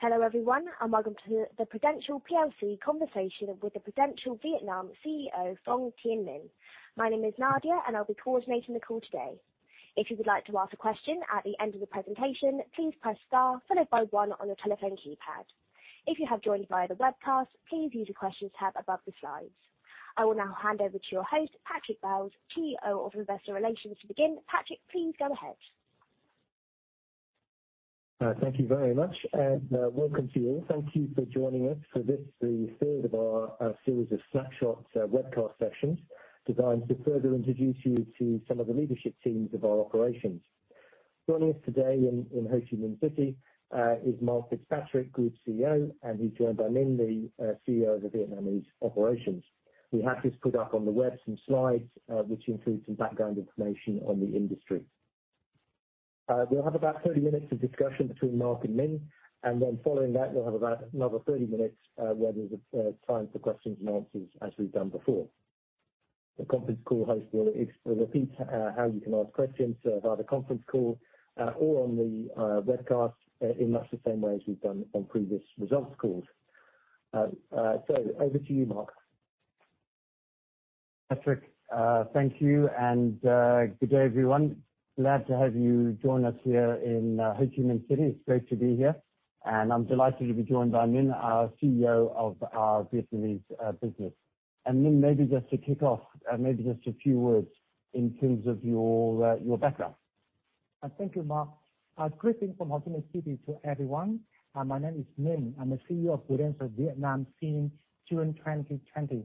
Hello, everyone, and welcome to the Prudential plc Conversation with the Prudential Vietnam CEO, Phuong Tien Minh. My name is Nadia, and I'll be coordinating the call today. If you would like to ask a question at the end of the presentation, please press star followed by one on your telephone keypad. If you have joined via the webcast, please use the questions tab above the slides. I will now hand over to your host, Patrick Bowes, CEO of Investor Relations, to begin. Patrick, please go ahead. Thank you very much and welcome to you all. Thank you for joining us for this, the third of our series of snapshot webcast sessions, designed to further introduce you to some of the leadership teams of our operations. Joining us today in Ho Chi Minh City is Mark FitzPatrick, Group CEO, and he's joined by Minh, the CEO of the Vietnamese Operations. We have just put up on the web some slides which include some background information on the industry. We'll have about 30 minutes of discussion between Mark and Minh, and then following that, we'll have about another 30 minutes where there's time for questions and answers as we've done before. The conference call host will repeat how you can ask questions via the conference call or on the webcast in much the same way as we've done on previous results calls. Over to you, Mark. Patrick, thank you and good day, everyone. Glad to have you join us here in Ho Chi Minh City. It's great to be here, and I'm delighted to be joined by Minh, our CEO of our Vietnamese business. Minh, maybe just to kick off, maybe just a few words in terms of your background. Thank you, Mark. Greetings from Ho Chi Minh City to everyone. My name is Minh. I'm the CEO of Prudential Vietnam since June 2020.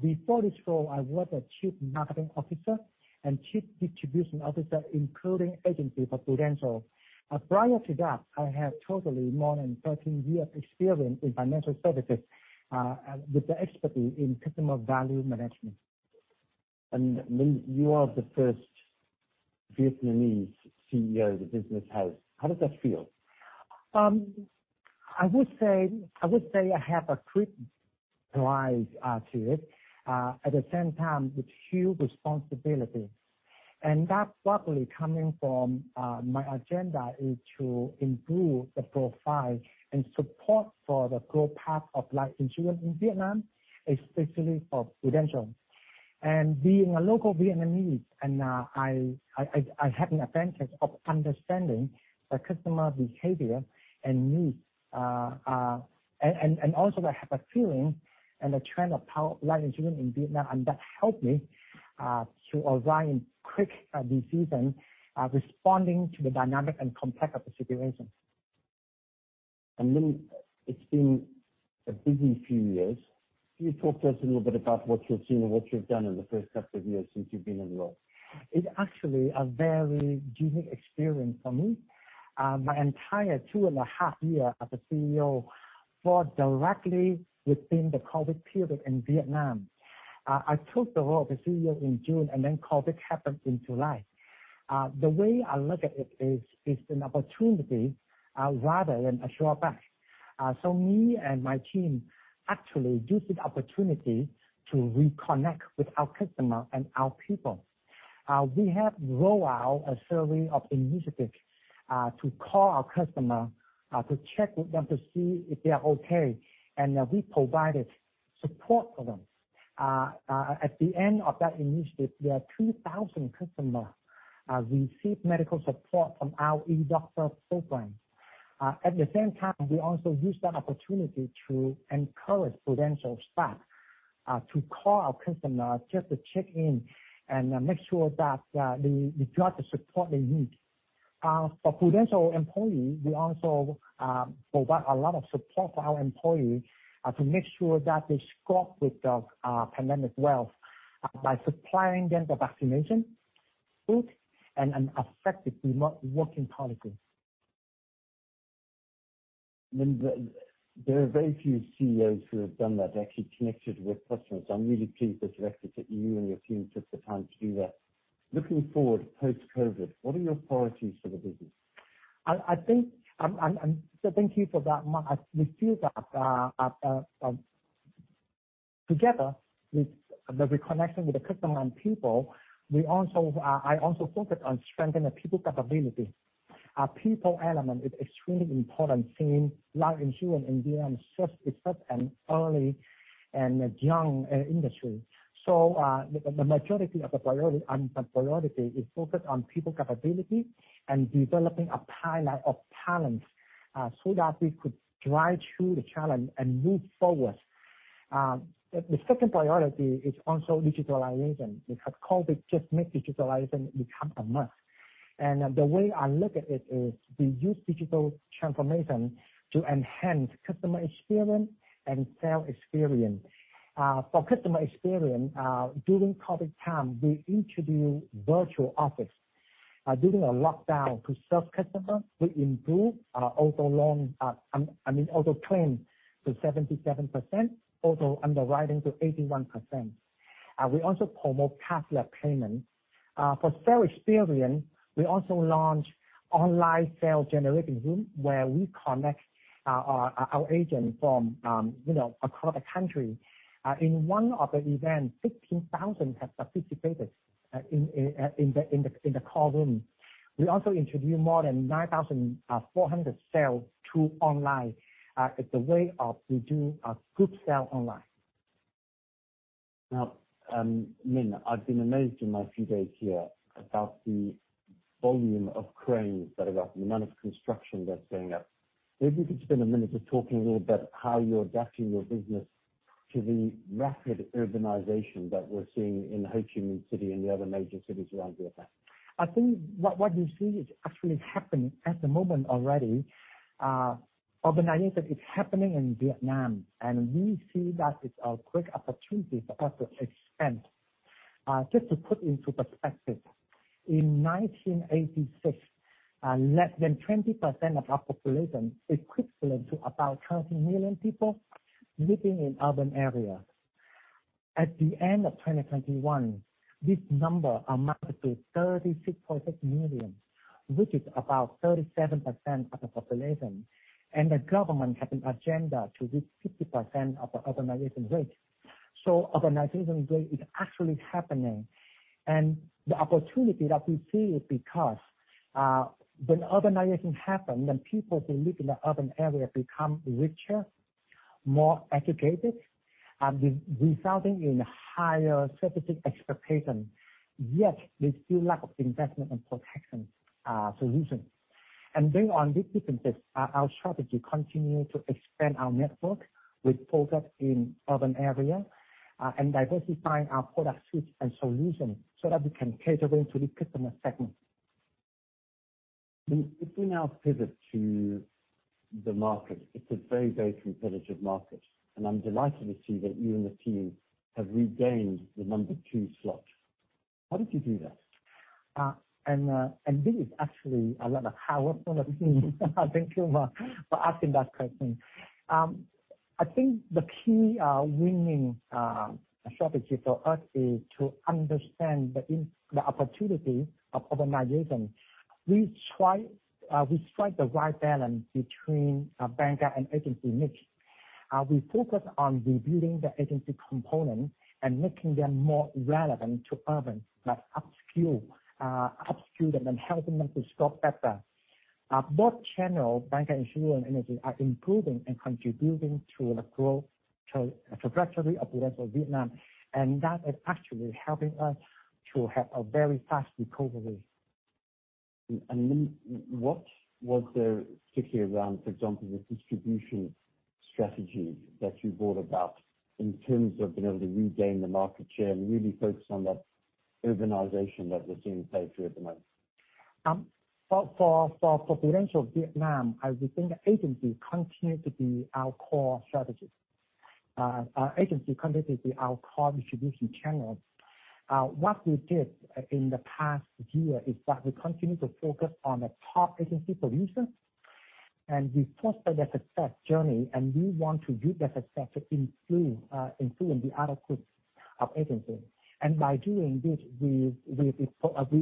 Before this role, I was the Chief Marketing Officer and Chief Distribution Officer, including Agency for Prudential. Prior to that, I have totally more than 13 years experience in financial services, with the expertise in customer value management. Minh, you are the first Vietnamese CEO the business has. How does that feel? I would say I have a great pride to it at the same time with huge responsibility. That's partly coming from my agenda is to improve the profile and support for the growth path of life insurance in Vietnam, especially for Prudential. Being a local Vietnamese, I have an advantage of understanding the customer behavior and needs. Also I have a feeling and the trend of how life insurance in Vietnam, and that help me to arrive quick decision responding to the dynamic and complex of the situation. Minh, it's been a busy few years. Can you talk to us a little bit about what you've seen and what you've done in the first couple of years since you've been in the role? It's actually a very unique experience for me. My entire two and a half years as a CEO fall directly within the COVID period in Vietnam. I took the role of the CEO in June, and then COVID happened in July. The way I look at it is an opportunity rather than a drawback. So me and my team actually used the opportunity to reconnect with our customer and our people. We rolled out a series of initiatives to call our customer to check with them to see if they are okay, and we provided support for them. At the end of that initiative, 2,000 customers received medical support from our eDoctor program. At the same time, we also used that opportunity to encourage Prudential staff to call our customers just to check in and make sure that they got the support they need. For Prudential employees, we also provide a lot of support for our employees to make sure that they cope with the pandemic well by supplying them the vaccination, food, and an effective remote working policy. Minh, there are very few CEOs who have done that, actually connected with customers. I'm really pleased that you actually and your team took the time to do that. Looking forward, post-COVID, what are your priorities for the business? Thank you for that, Mark. We feel that, together with the reconnection with the customer and people, I also focus on strengthening the people capability. Our people element is extremely important since life insurance in Vietnam is such an early and a young industry. The priority is focused on people capability and developing a pipeline of talents, so that we could drive through the challenge and move forward. The second priority is also digitalization, because COVID just make digitalization become a must. The way I look at it is we use digital transformation to enhance customer experience and sales experience. For customer experience, during COVID time, we introduced virtual office. During a lockdown to serve customers, we improved our auto loan, I mean, auto claim to 77%, automated underwriting to 81%. We also promote cashless payment. For sales experience, we also launched online sales generating room where we connect our agent from, you know, across the country. In one of the events, 16,000 have participated in the call room. We also introduced more than 9,400 sales to online as the way we do a group sale online. Now, Minh, I've been amazed in my few days here about the volume of cranes that are up and the amount of construction that's going up. Maybe you could spend a minute just talking a little about how you're adapting your business to the rapid urbanization that we're seeing in Hồ Chí Minh City and the other major cities around Vietnam. I think what you see is actually happening at the moment already. Urbanization is happening in Vietnam, and we see that it's a great opportunity for us to expand. Just to put into perspective, in 1986, less than 20% of our population, equivalent to about 30 million people, living in urban areas. At the end of 2021, this number amounted to 36.6 million, which is about 37% of the population. The government has an agenda to reach 50% of the urbanization rate. Urbanization rate is actually happening. The opportunity that we see is because, when urbanization happens, when people who live in the urban area become richer, more educated, resulting in higher servicing expectations, yet there's still lack of investment and protection solutions. Based on these differences, our strategy continue to expand our network with focus in urban area, and diversifying our product suites and solutions so that we can cater into the customer segments. Min, if we now pivot to the market, it's a very, very competitive market, and I'm delighted to see that you and the team have regained the number 2 slot. How did you do that? This is actually another powerful one for me. Thank you for asking that question. I think the key winning strategy for us is to understand the opportunity of urbanization. We strike the right balance between our Bancassurance and Agency mix. We focus on rebuilding the agency component and making them more relevant to urban. Let's upskill them and helping them to score better. Both channels bancassurance and agency are improving and contributing to the growth trajectory of Prudential Vietnam. That is actually helping us to have a very fast recovery. Minh, what was the stickiness around, for example, the distribution strategy that you brought about in terms of being able to regain the market share and really focus on that urbanization that we're seeing play out at the moment? For Prudential Vietnam, I would think the agency continues to be our core strategy. Our agency continues to be our core distribution channel. What we did in the past year is that we continue to focus on the top agency producers, and we foster their success journey, and we want to use that success to influence the other groups of agency. By doing this, we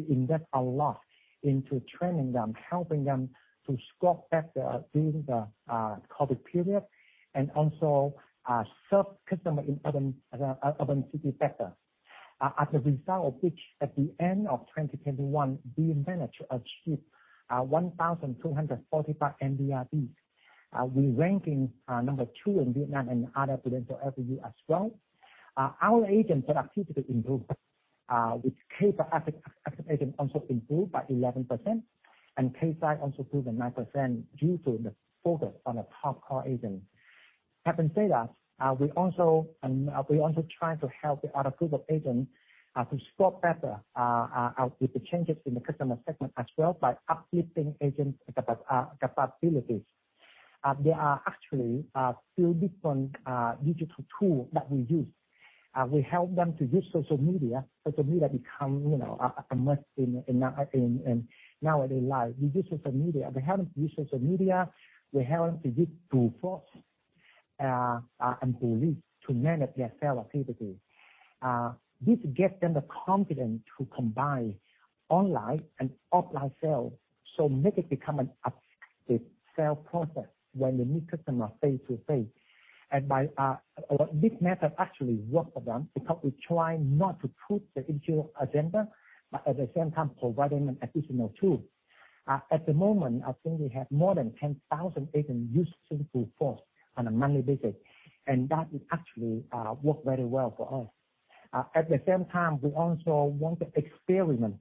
invest a lot into training them, helping them to score better during the COVID period and also serve customer in urban city better. As a result of which at the end of 2021, we managed to achieve 1,245 NBRBs. We ranking number two in Vietnam and other Prudential LBU as well. Our agent productivity improved, with cases per active agent also improved by 11% and case size also grew by 9% due to the focus on the top core agent. Having said that, we also try to help the other group of agents to score better with the changes in the customer segment as well by upskilling agent capability. There are actually two different digital tools that we use. We help them to use social media. Social media become, you know, a must in nowadays life. We use social media. We help them to use social media. We help them to use PRUForce and PRULeads to manage their sales activity. This gives them the confidence to combine online and offline sales, so make it become an upskill sales process when they meet customers face-to-face. By this method actually work for them because we try not to push the insurance agenda, but at the same time providing an additional tool. At the moment I think we have more than 10,000 agents use PRUForce on a monthly basis. That is actually work very well for us. At the same time, we also want to experiment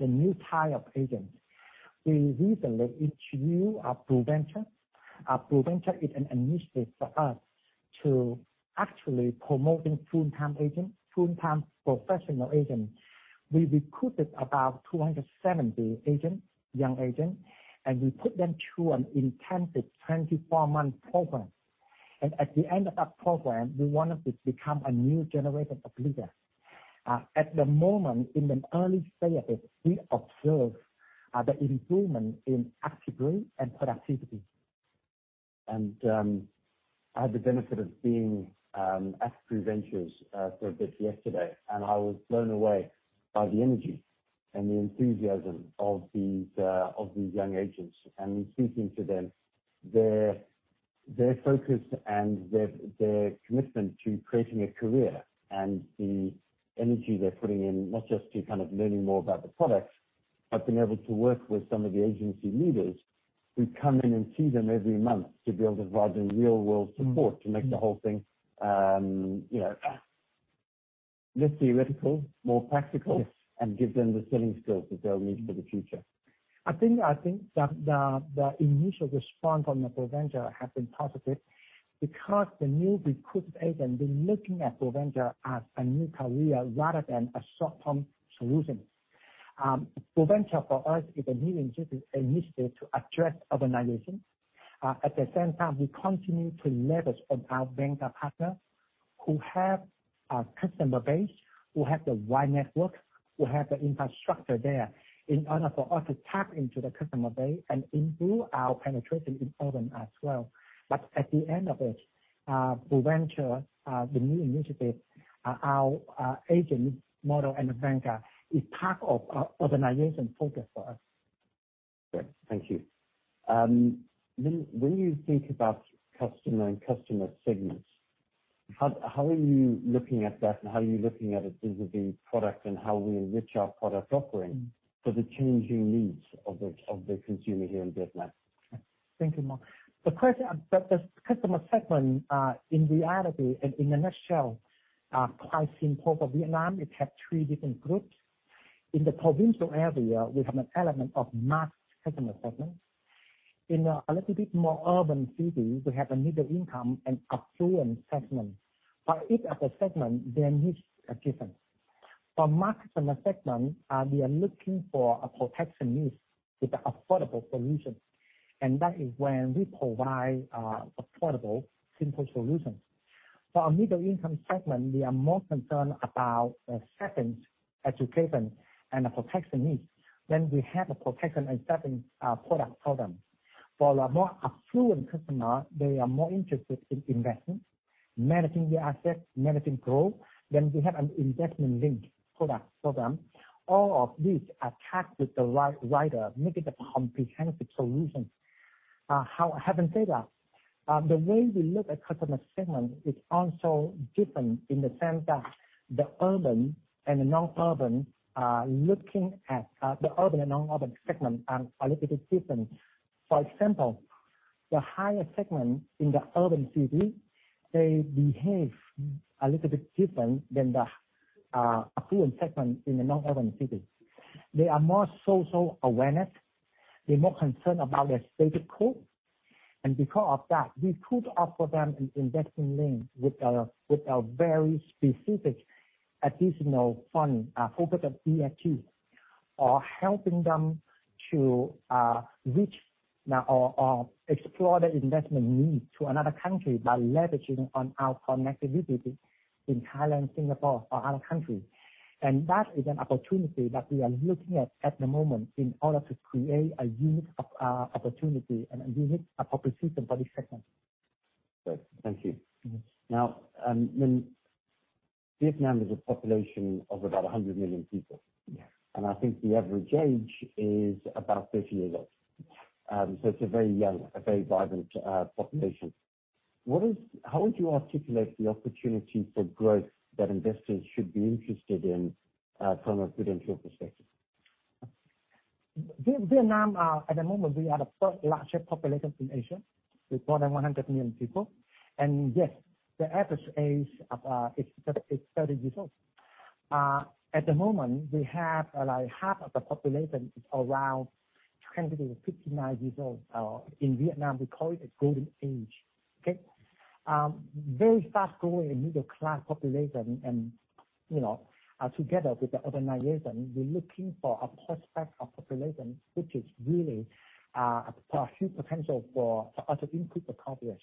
the new type of agent. We recently introduced our PRUVenture. Our PRUVenture is an initiative for us to actually promoting full-time agent, full-time professional agent. We recruited about 270 agent, young agent, and we put them through an intensive 24-month program. At the end of that program, we want them to become a new generation of leaders. At the moment, in an early stages, we observe the improvement in attitude and productivity. I had the benefit of being at PRUVenture for a bit yesterday, and I was blown away by the energy and the enthusiasm of these young agents. Speaking to them, their focus and their commitment to creating a career and the energy they're putting in, not just to kind of learning more about the products, but being able to work with some of the agency leaders who come in and see them every month to be able to provide them real-world support to make the whole thing, you know, less theoretical, more practical. Yes. give them the selling skills that they'll need for the future. I think the initial response on the PRUVenture has been positive because the newly recruited agents, they're looking at PRUVenture as a new career rather than a short-term solution. PRUVenture, for us, is a new initiative to address urbanization. At the same time, we continue to leverage on our banker partners who have a customer base, who have the wide network, who have the infrastructure there in order for us to tap into the customer base and improve our penetration in urban as well. At the end of it, PRUVenture, the new initiative, our agent model and the banker is part of our organization focus for us. Great. Thank you. When you think about customer and customer segments, how are you looking at that and how are you looking at it vis-à-vis product and how we enrich our product offering for the changing needs of the consumer here in Vietnam? Thank you, Mark. The customer segment in reality and in a nutshell are quite simple. For Vietnam, it has three different groups. In the provincial area, we have an element of Mass Customer Segment. In a little bit more urban city, we have a middle-income and affluent segment. Each of the segment, their needs are different. For Mass Customer Segment, we are looking for a protection needs with an affordable solution. That is when we provide affordable, simple solutions. For our Middle-Income Segment, we are more concerned about savings, education, and the protection needs. We have a protection and savings product program. For our more affluent customer, they are more interested in investing, managing their assets, managing growth. We have an investment-linked product program. All of these are tagged with the right rider making a comprehensive solution. Having said that, the way we look at customer segment is also different in the sense that the urban and non-urban segment are a little bit different. For example, the higher segment in the urban city, they behave a little bit different than the Affluent Segment in the non-urban cities. They are more socially aware. They're more concerned about their status quo. Because of that, we could offer them an investment-linked with a very specific additional fund focused on ESG or helping them to reach or explore their investment needs to another country by leveraging on our connectivity in Thailand, Singapore or other countries. That is an opportunity that we are looking at the moment in order to create a unique opportunity and a unique proposition for this segment. Great. Thank you. Mm-hmm. Now, Vietnam has a population of about 100 million people. Yes. I think the average age is about 30 years old. It's a very young, a very vibrant population. How would you articulate the opportunity for growth that investors should be interested in from a Prudential perspective? Vietnam, at the moment, we are the third largest population in Asia with more than 100 million people. Yes, the average age is 30 years old. At the moment, we have, like, half of the population is around 20-59 years old. In Vietnam, we call it a golden age. Okay? Very fast-growing Middle-Class population and, you know, together with the urbanization, we're looking for a prospect of population, which is really a huge potential for us to increase the coverage.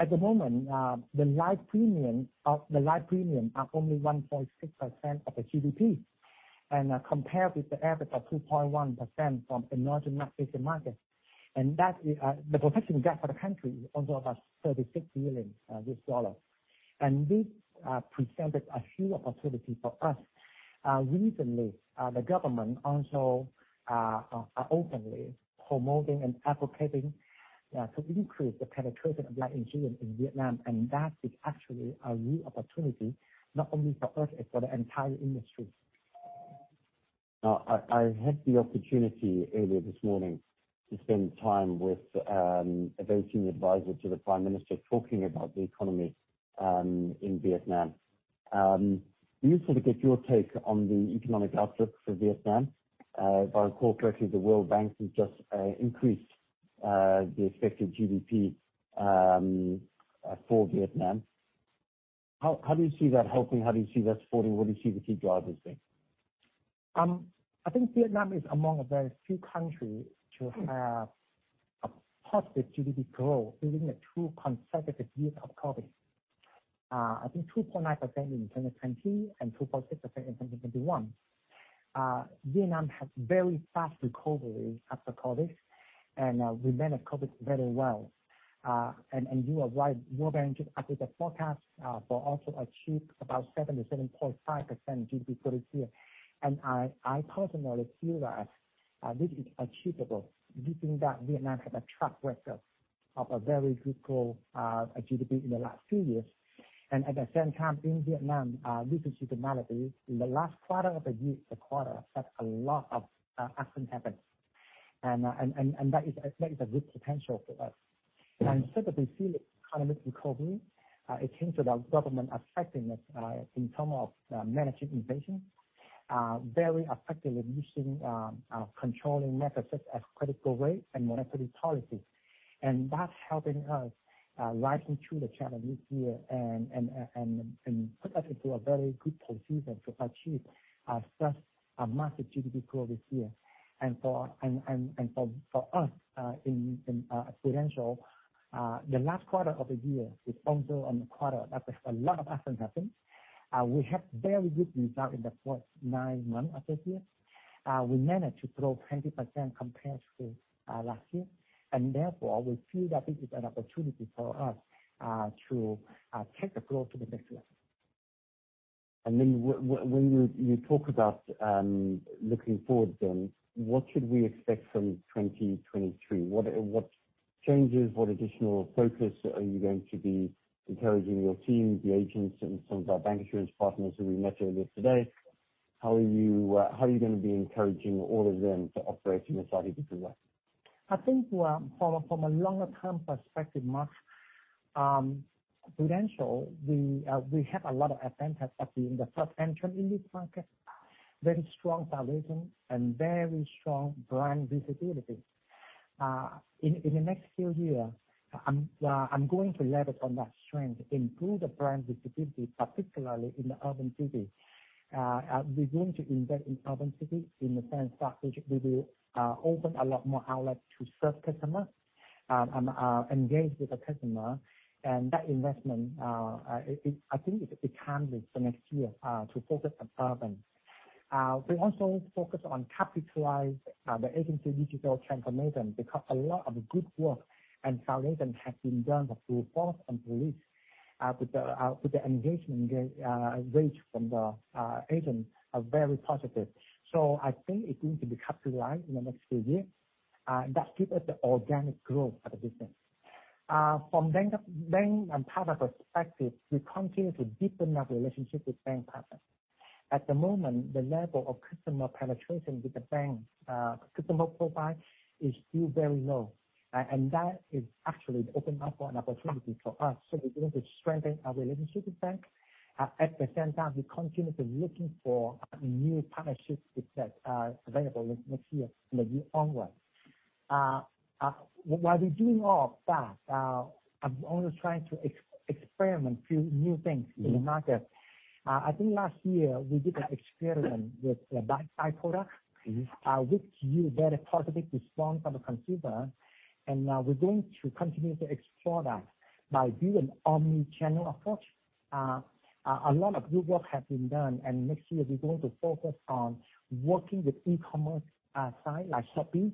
At the moment, the life premium is only 1.6% of the GDP, and compared with the average of 2.1% from emerging Asian markets. That's the Protection Gap for the country is also about $36 billion. This presented a huge opportunity for us. Recently, the government also openly promoting and advocating to increase the penetration of life insurance in Vietnam. That is actually a real opportunity not only for us, but for the entire industry. Now, I had the opportunity earlier this morning to spend time with a very senior advisor to the Prime Minister talking about the economy in Vietnam. It would be useful to get your take on the economic outlook for Vietnam. If I recall correctly, the World Bank has just increased the expected GDP for Vietnam. How do you see that helping? How do you see that supporting? What do you see as the key drivers there? I think Vietnam is among a very few countries to have a positive GDP growth during the two consecutive years of COVID. I think 2.9% in 2020 and 2.6% in 2021. Vietnam had very fast recovery after COVID, and we managed COVID very well. You are right. World Bank just updated forecast, but also achieved about 7%-7.5% GDP growth this year. I personally feel that this is achievable given that Vietnam have a track record of a very good growth, GDP in the last few years. At the same time in Vietnam, recently normality in the last quarter of the year, the quarter that a lot of action happens. That is a good potential for us. That we see the economic recovery, it seems that our government effectiveness in terms of managing inflation very effective in using controlling methods such as interest rate and monetary policies. That's helping us ride through the challenge this year and put us into a very good position to achieve such a massive GDP growth this year. For us in Prudential, the last quarter of the year is also one of the quarters that a lot of action happens. We have very good result in the first nine months of this year. We managed to grow 20% compared to last year. Therefore, we feel that this is an opportunity for us to take the growth to the next level. When you talk about looking forward, what should we expect from 2023? What changes, what additional focus are you going to be encouraging your team, the agents and some of our bancassurance partners who we met earlier today? How are you gonna be encouraging all of them to operate in a slightly different way? I think, from a longer term perspective, Mark, Prudential, we have a lot of advantage of being the first entrant in this market. Very strong foundation and very strong brand visibility. In the next few year, I'm going to leverage on that strength, improve the brand visibility, particularly in the urban city. We're going to invest in urban city in the sense that we will open a lot more outlets to serve customers, and engage with the customer. That investment, it, I think it's a big canvas for next year, to focus on urban. We also focus on capitalizing on the agency digital transformation because a lot of good work and foundation has been done through PRUBeliefs with the engagement raised from the agents are very positive. I think it's going to be capitalized on in the next few years that give us the organic growth of the business. From bank and partner perspective, we continue to deepen our relationship with bank partners. At the moment, the level of customer penetration with the bank customer profile is still very low. That actually opens up an opportunity for us. We're going to strengthen our relationship with bank. At the same time, we continue to look for new partnerships with that available next year and the year onward. While we're doing all of that, I'm only trying to experiment with a few new things in the market. I think last year we did an experiment with the Bite-Size product. Mm-hmm. Which yield very positive response from the consumer. We're going to continue to explore that by doing Omnichannel approach. A lot of good work has been done, and next year we're going to focus on working with e-commerce side like Shopee.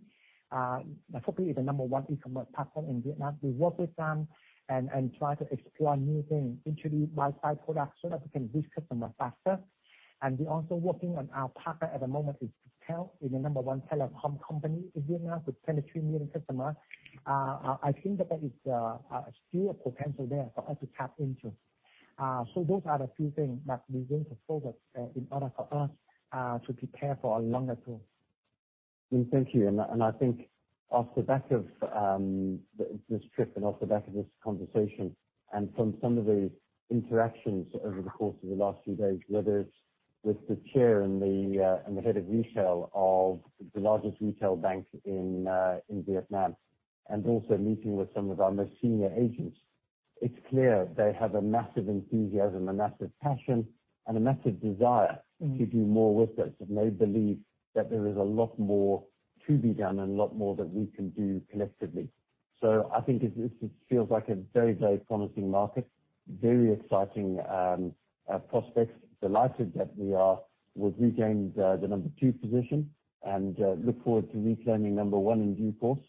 Shopee is the Number One e-commerce partner in Vietnam. We work with them and try to explore new things, introduce Bite-Size products so that we can reach customers faster. We're also working with our partner at the moment, Viettel, the Number One telecom company in Vietnam with 23 million customers. I think that is still a potential there for us to tap into. Those are the few things that we're going to focus in order for us to prepare for a longer term. Thank you. I think off the back of this trip and off the back of this conversation and from some of the interactions over the course of the last few days, whether it's with the chair and the head of retail of the largest retail bank in Vietnam, and also meeting with some of our most senior agents. It's clear they have a massive enthusiasm, a massive passion, and a massive desire. Mm-hmm. to do more with us, and they believe that there is a lot more to be done and a lot more that we can do collectively. I think it's, it feels like a very, very promising market, very exciting prospects. Delighted that we are, we've regained the number two position and look forward to reclaiming number one in due course.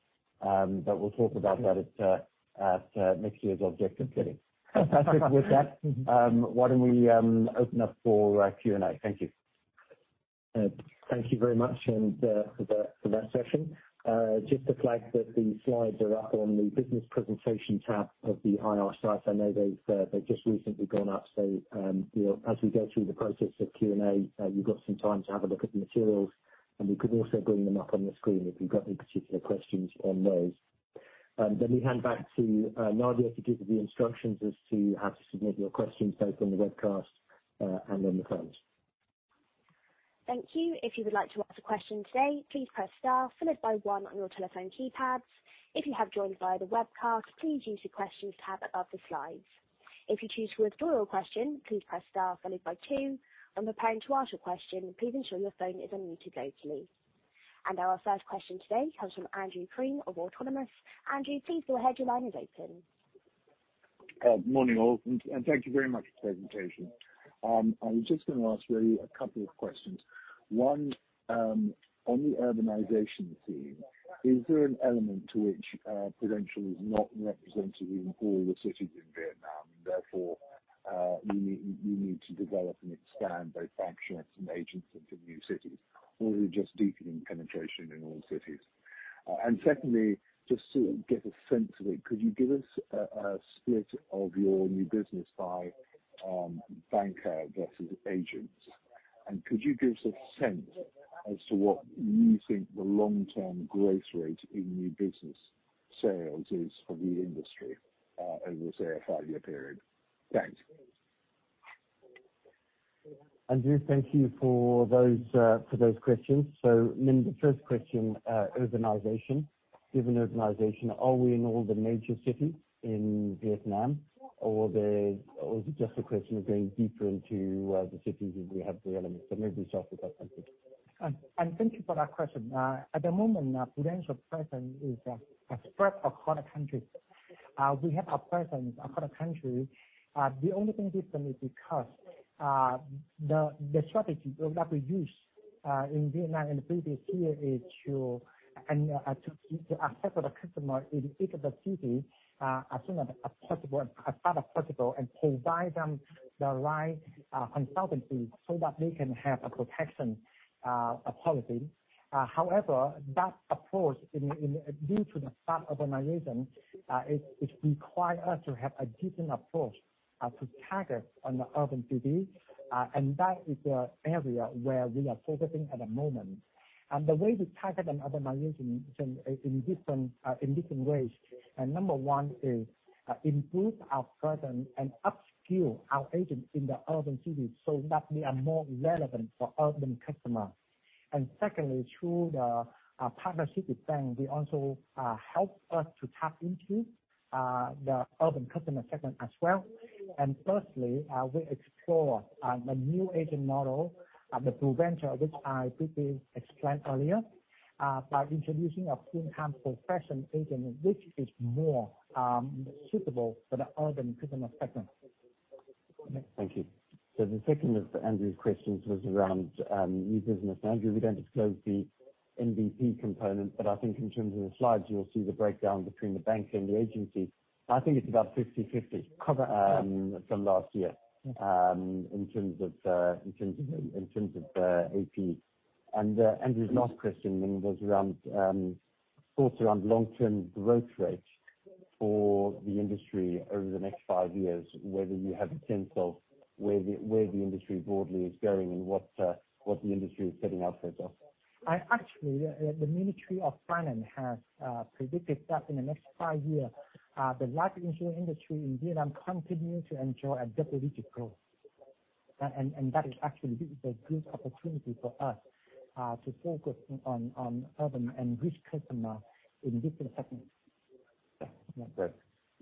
But we'll talk about that at next year's objective setting. With that, why don't we open up for Q&A? Thank you. Thank you very much and for that session. Just to flag that the slides are up on the business presentation tab of the IR site. I know they've just recently gone up, so you know, as we go through the process of Q&A, you've got some time to have a look at the materials, and we can also bring them up on the screen if you've got any particular questions on those. Let me hand back to Nadia to give you the instructions as to how to submit your questions, both on the webcast and on the phones. Thank you. If you would like to ask a question today, please press star followed by one on your telephone keypads. If you have joined via the webcast, please use the Questions tab above the slides. If you choose to withdraw your question, please press star followed by two. When preparing to ask your question, please ensure your phone is unmuted locally. Our first question today comes from Andrew Crean of Autonomous. Andrew, please go ahead. Your line is open. Morning, all, and thank you very much for the presentation. I was just gonna ask really a couple of questions. One, on the urbanization theme, is there an element to which Prudential is not represented in all the cities in Vietnam, therefore you need to develop and expand both banks and agents into new cities, or are you just deepening penetration in all cities? Secondly, just to get a sense of it, could you give us a split of your new business by banker versus agents? Could you give us a sense as to what you think the long-term growth rate in new business sales is for the industry over, say, a five-year period? Thanks. Andrew, thank you for those questions. Minh, the first question, urbanization. Given urbanization, are we in all the major cities in Vietnam, or is it just a question of going deeper into the cities where we have the elements? Maybe start with that one. Thank you for that question. At the moment, Prudential presence is spread across the country. We have a presence across the country. The only thing different is because the strategy that we use in Vietnam in the previous year is to assess the customer in each of the cities as soon as possible, as fast as possible and provide them the right consultancy so that they can have a protection policy. However, that approach due to the fast urbanization, it require us to have a different approach to target on the urban city and that is the area where we are focusing at the moment. The way we target on urbanization in different ways. Number One is improve our presence and upskill our agents in the urban cities so that we are more relevant for urban customers. Secondly, through the partnership with bank, we also help us to tap into the urban customer segment as well. Firstly, we explore a new agent model, the PRUVenture, which I quickly explained earlier, by introducing a full-time professional agent which is more suitable for the urban customer segment. Thank you. The second of Andrew's questions was around new business. Andrew, we don't disclose the NBP component, but I think in terms of the slides, you'll see the breakdown between the bank and the agency. I think it's about 50/50 from last year in terms of AP. Andrew's last question then was around thoughts around long-term growth rate for the industry over the next five years, whether you have a sense of where the industry broadly is going and what the industry is setting out for itself. I actually, the Ministry of Finance has predicted that in the next five year, the life insurance industry in Vietnam continue to enjoy a double-digit growth. That is actually a good opportunity for us, to focus on urban and rich customer in different segments. Great.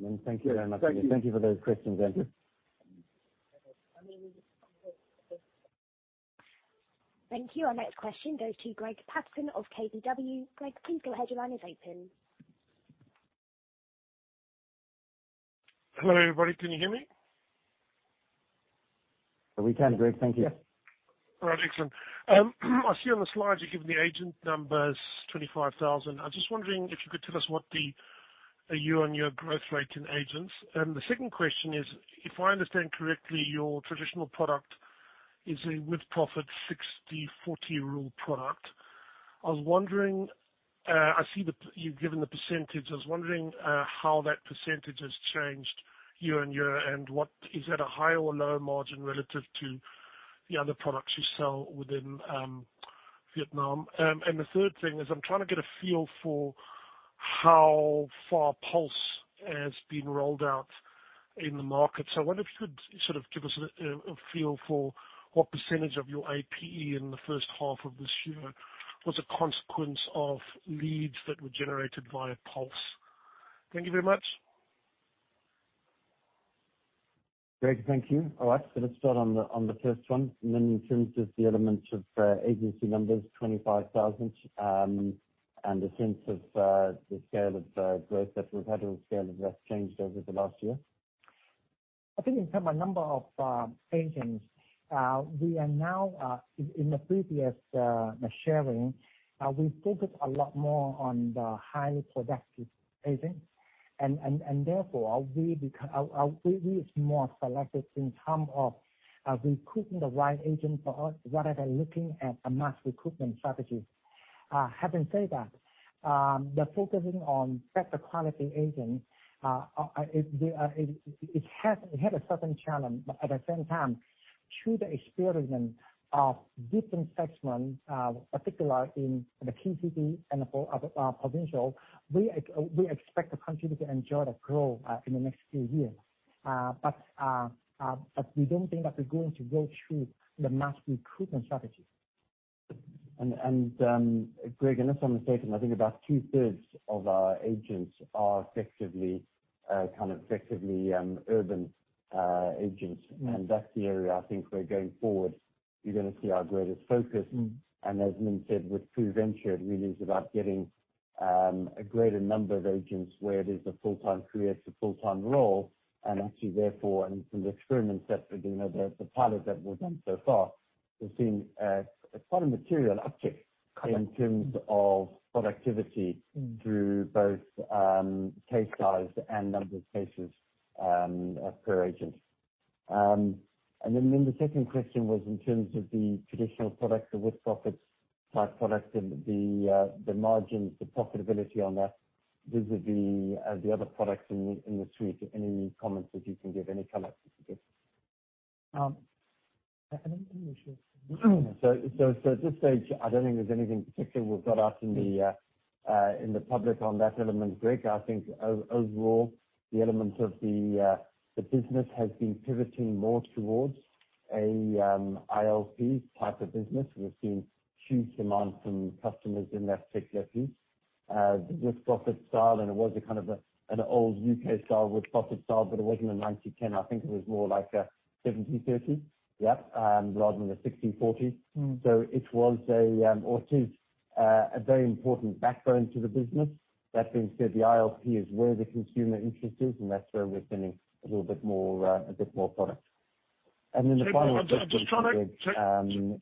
Minh, thank you very much. Thank you. Thank you for those questions, Andrew. Thank you. Our next question goes to Greig Paterson of KBW. Greg, please go ahead. Your line is open. Hello, everybody. Can you hear me? We can, Greig. Thank you. Right. Excellent. I see on the slides you're giving the agent numbers 25,000. I was just wondering if you could tell us what the year-on-year growth rate in agents is. The second question is, if I understand correctly, your traditional product is a with-profits 60/40 rule product. I was wondering how that percentage has changed year-on-year and what is at a higher or lower margin relative to the other products you sell within Vietnam. The third thing is I'm trying to get a feel for how far Pulse has been rolled out in the market. I wonder if you could sort of give us a feel for what percentage of your APE in the first half of this year was a consequence of leads that were generated via Pulse. Thank you very much. Greig, thank you. All right. Let's start on the first one. Minh, in terms of the elements of agency numbers, 25,000, and the sense of the scale of growth that we've had or scale of growth changed over the last year. I think in terms of number of agents, in the previous sharing we focused a lot more on the highly productive agents. Therefore we are more selective in terms of recruiting the right agent for us rather than looking at a mass recruitment strategy. Having said that, the focusing on better quality agents has had a certain challenge. At the same time, through the experimentation of different segments, particularly in the key cities and for other provinces, we expect the country to enjoy the growth in the next few years. We don't think that we're going to go through the mass recruitment strategy. Greg, unless I'm mistaken, I think about two-thirds of our agents are effectively kind of urban agents. Mm-hmm. That's the area I think we're going forward, you're gonna see our greatest focus. Mm-hmm. As Minh said, with PRUVenture, it really is about getting a greater number of agents where it is a full-time career. It's a full-time role. Actually, therefore, and from the experiments that, you know, the pilot that we've done so far, we've seen quite a material uptick. Okay. In terms of productivity through both case size and number of cases per agent. The second question was in terms of the traditional products, the with-profits type products and the margins, the profitability on that vis-à-vis the other products in the suite. Any comments that you can give, any color you can give? I think Minh should. At this stage, I don't think there's anything particular we've got out in the public on that element, Greg. I think overall, the elements of the business has been pivoting more towards a ILP type of business. We've seen huge demand from customers in that particular piece. The with-profits style, and it was a kind of a an old UK style, with-profits style, but it wasn't a 90/10. I think it was more like a 70/30. Yep. Rather than a 60/40. Mm-hmm. It is a very important backbone to the business. That being said, the ILP is where the consumer interest is, and that's where we're spending a little bit more product. I'm just trying to. Um-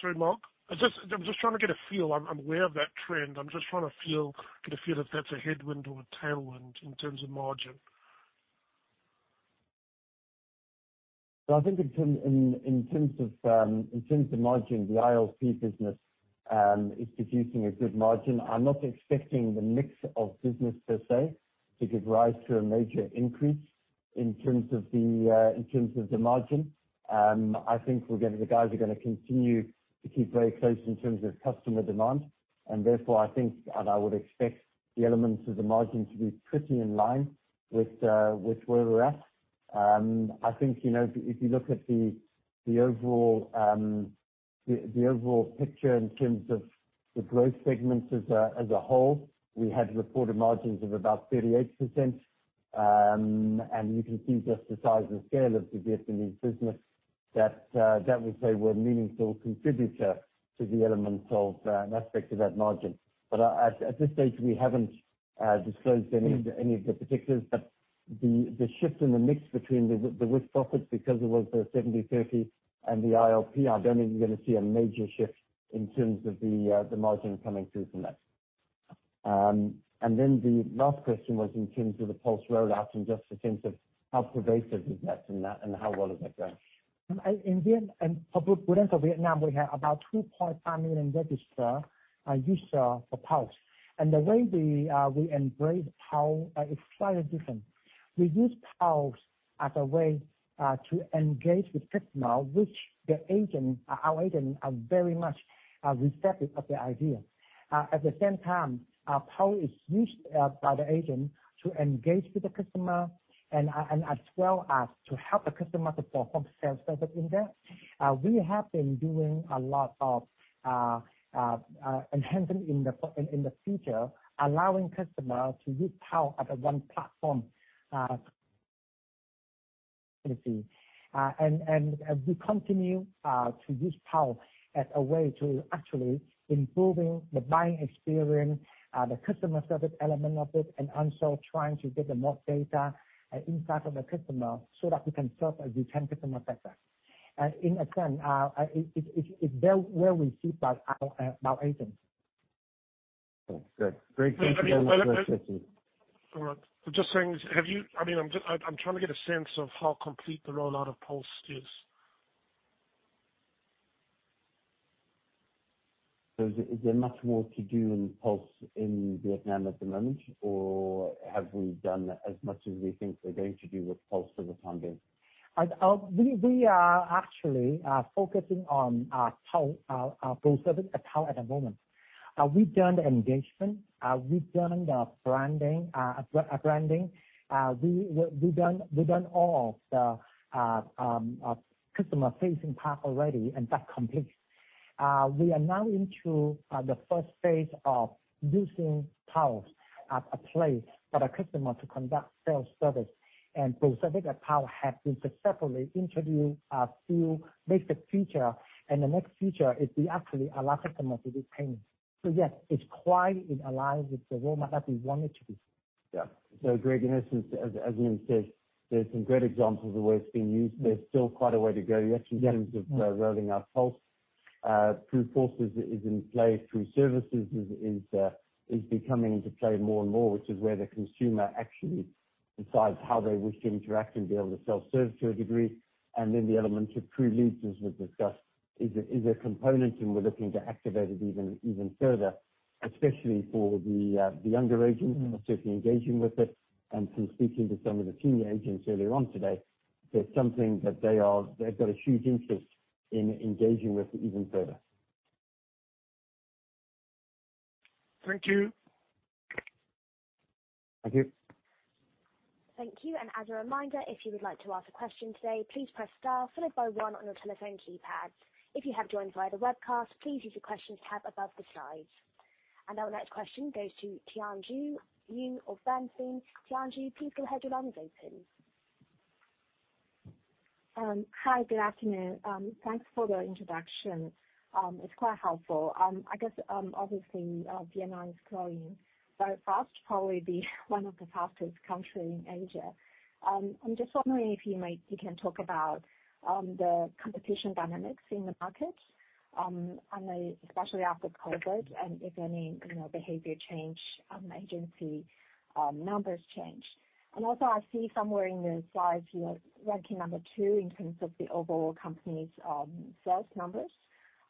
Sorry, Mark. I'm just trying to get a feel. I'm aware of that trend. I'm just trying to get a feel if that's a headwind or a tailwind in terms of margin. I think in terms of margin, the ILP business is producing a good margin. I'm not expecting the mix of business per se to give rise to a major increase in terms of the margin. I think the guys are gonna continue to keep very close in terms of customer demand, and therefore, I think, and I would expect the elements of the margin to be pretty in line with where we're at. I think, you know, if you look at the overall picture in terms of the growth segments as a whole, we had reported margins of about 38%. You can see just the size and scale of the Vietnamese business that we say we're a meaningful contributor to the elements of an aspect of that margin. At this stage, we haven't disclosed any. Mm-hmm. Any of the particulars. The shift in the mix between the with-profits, because it was a 70/30, and the ILP, I don't think we're gonna see a major shift in terms of the margin coming through from that. The last question was in terms of the Pulse rollout and just a sense of how pervasive is that, and how well is that going? In Prudential Vietnam, we have about 2.5 million registered users for Pulse. The way we embrace Pulse is slightly different. We use Pulse as a way to engage with customers, which our agents are very much receptive of the idea. At the same time, our Pulse is used by the agents to engage with the customers and as well as to help the customers to perform self-service in there. We have been doing a lot of enhancing in the features, allowing customers to use Pulse as one platform. As we continue to use Pulse as a way to actually improving the buying experience, the customer service element of it, and also trying to gather more data and insight on the customer so that we can serve the return customer better. In a sense, it's very well received by our agents. Good. Great. Thank you very much. I mean, I'm trying to get a sense of how complete the rollout of Pulse is? Is there much more to do in Pulse in Vietnam at the moment, or have we done as much as we think we're going to do with Pulse for the time being? We are actually focusing on Pulse, PRUServices on Pulse at the moment. We've done the engagement. We've done the branding. We've done all of the customer-facing part already, and that's complete. We are now into the first phase of using Pulse as a place for the customer to conduct self-service. PRUServices on Pulse has been successfully introduced few basic features. The next feature is we actually allow customer to do payment. Yes, it's quite in line with the roadmap that we want it to be. Yeah. Greig, in essence, as Minh says, there's some great examples of where it's being used. There's still quite a way to go yet. Yeah. In terms of rolling out Pulse. PRUForce is in play. PRUServices is becoming into play more and more, which is where the consumer actually decides how they wish to interact and be able to self-serve to a degree. The element of PRULeads, as we've discussed, is a component, and we're looking to activate it even further, especially for the younger agents who are certainly engaging with it. From speaking to some of the senior agents earlier on today, it's something that they are. They've got a huge interest in engaging with even further. Thank you. Thank you. Thank you. As a reminder, if you would like to ask a question today, please press star followed by one on your telephone keypad. If you have joined via the webcast, please use the Questions tab above the slides. Our next question goes to Tianjiu Yu of Bernstein. Tianjiu, please go ahead. Your line is open. Hi, good afternoon. Thanks for the introduction. It's quite helpful. I guess, obviously, Vietnam is growing very fast, probably one of the fastest country in Asia. I'm just wondering if you can talk about the competition dynamics in the market, and especially after COVID, and if any, you know, behavior change, agency numbers change. Also, I see somewhere in the slides you are ranking number two in terms of the overall company's sales numbers.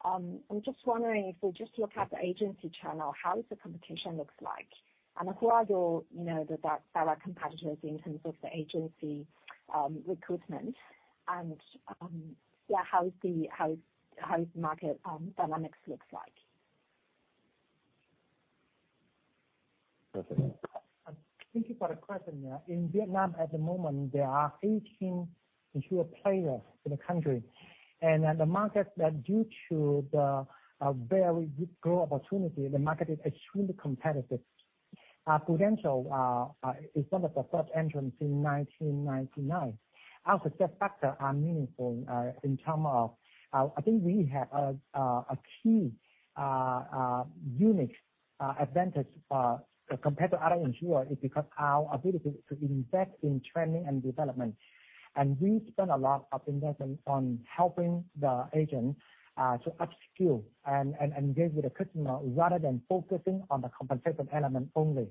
I'm just wondering, if we just look at the agency channel, how does the competition looks like? And who are your, you know, the competitors in terms of the agency recruitment? Yeah, how is market dynamics looks like? Perfect. Thank you for the question. Yeah. In Vietnam at the moment, there are 18 insurer players in the country. The market, due to the very good growth opportunity, the market is extremely competitive. Prudential is one of the first entrants in 1999. Our success factor are meaningful in term of. I think we have a key unique advantage compared to other insurer is because our ability to invest in training and development. We spend a lot of investment on helping the agent to upskill and engage with the customer rather than focusing on the compensation element only.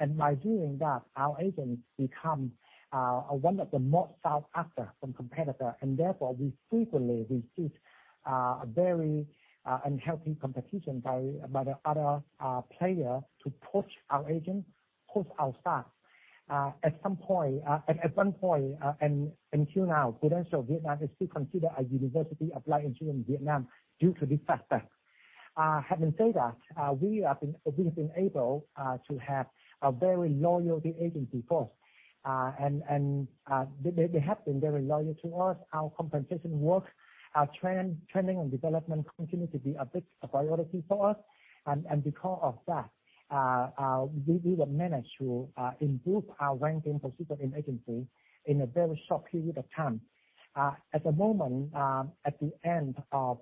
By doing that, our agents become one of the most sought after by competitors, and therefore we frequently receive a very unhealthy competition by the other player to poach our agent, poach our staff. At one point and until now, Prudential Vietnam is still considered a University of Life Insurance in Vietnam due to this aspect. Having said that, we have been able to have a very loyal agency force. They have been very loyal to us. Our compensation works. Our training and development continue to be a big priority for us. Because of that, we have managed to improve our ranking position in agency in a very short period of time. At the moment, at the end of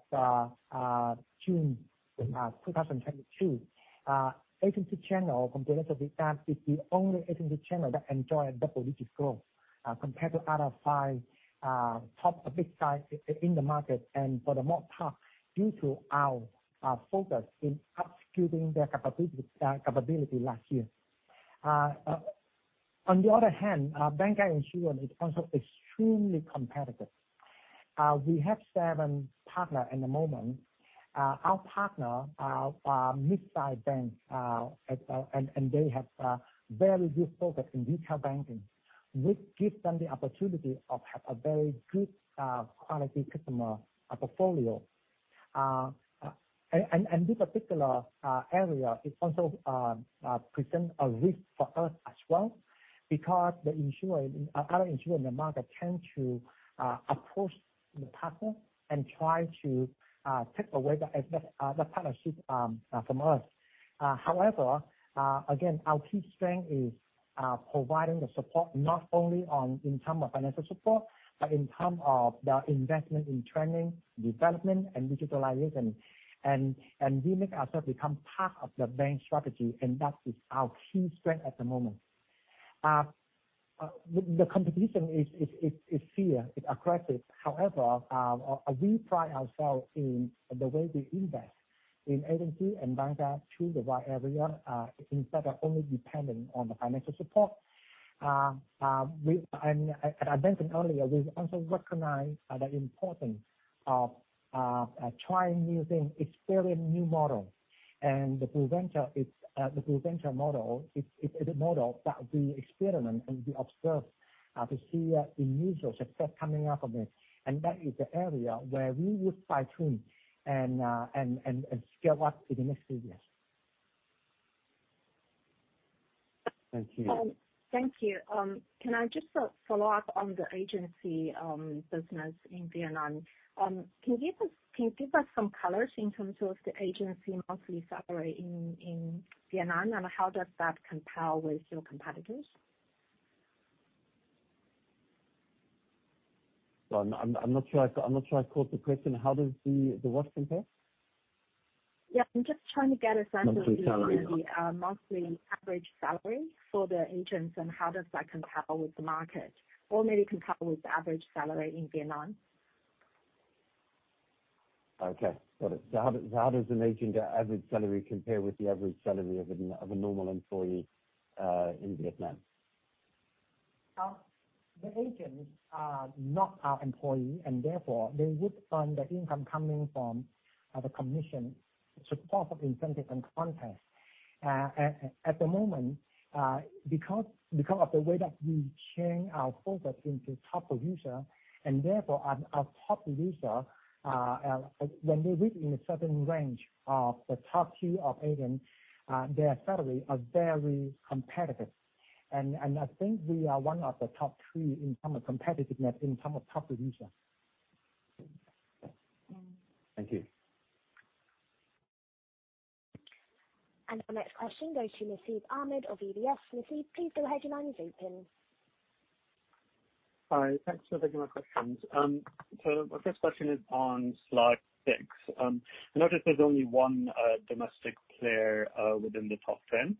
June 2022, agency channel from Prudential Vietnam is the only agency channel that enjoyed double-digit growth compared to other five top big guys in the market, and for the most part, due to our focus in upskilling their capability last year. On the other hand, our bank insurance is also extremely competitive. We have seven partner at the moment. Our partner are mid-sized banks, and they have very good focus in retail banking, which gives them the opportunity of have a very good quality customer portfolio. This particular area is also presents a risk for us as well because other insurers in the market tend to approach the partner and try to take away the partnership from us. However, again, our key strength is providing the support not only in terms of financial support, but in terms of the investment in training, development, and digitalization. We make ourselves become part of the bank strategy, and that is our key strength at the moment. The competition is fierce, it's aggressive. However, we pride ourselves in the way we invest in agency and bancassurance through the right areas, instead of only depending on the financial support. As I mentioned earlier, we also recognize the importance of trying new things, exploring new model. The Prudential model is a model that we experiment and we observe to see unusual success coming out of it. That is the area where we would fine-tune and scale up in the next few years. Thank you. Thank you. Can I just follow up on the agency business in Vietnam? Can you give us some colors in terms of the agency monthly salary in Vietnam, and how does that compare with your competitors? Well, I'm not sure I caught the question. How does the what compare? Yeah. I'm just trying to get a sense of the. Monthly salary. Monthly average salary for the agents, and how does that compare with the market, or maybe compare with the average salary in Vietnam? Okay. Got it. How does an agent average salary compare with the average salary of a normal employee in Vietnam? The agents are not our employee, and therefore they would earn the income coming from the commission, support of incentive and contest. At the moment, because of the way that we change our focus into top producer, and therefore our top producer, when they reach in a certain range of the top tier of agent, their salary are very competitive. I think we are one of the top three in term of competitiveness, in term of top producer. Thank you. Our next question goes to Nafis Ahmed of EFG. Nafis, please go ahead. Your line is open. Hi. Thanks for taking my questions. So my first question is on slide six. I noticed there's only one domestic player within the top ten.